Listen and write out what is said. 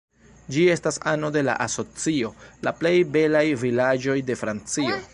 Ĝi estas ano de la asocio La plej belaj vilaĝoj de Francio.